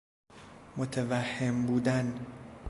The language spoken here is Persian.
متوهم بودن